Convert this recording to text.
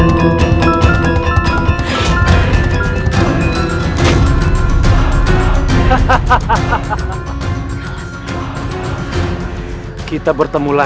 mari ayah anda